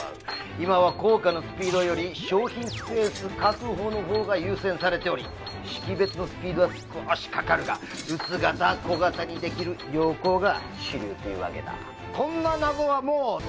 今は硬貨のスピードより商品スペース確保の方が優先されており識別のスピードは少しかかるが薄型小型にできる横が主流というわけだんだよ！